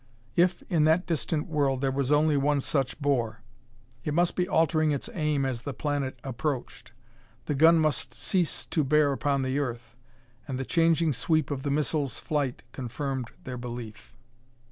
If, in that distant world, there was only one such bore, it must be altering its aim as the planet approached; the gun must cease to bear upon the earth. And the changing sweep of the missiles' flight confirmed their belief.